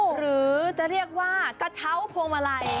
หรือจะเรียกว่ากระเช้าพวงมาลัย